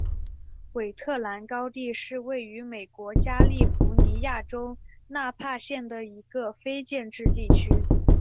韦特兰高地是位于美国加利福尼亚州纳帕县的一个非建制地区。